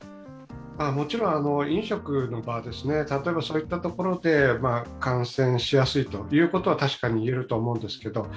もちろん飲食の場、例えばそういったところで感染しやすいということは確かに言えると思うんですけど、